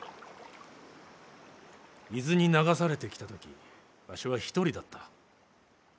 伊豆に流されてきた時わしは一人だった。